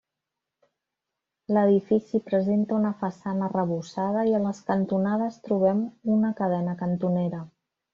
L'edifici presenta una façana arrebossada i a les cantonades trobem una cadena cantonera.